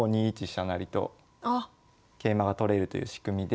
成と桂馬が取れるという仕組みで。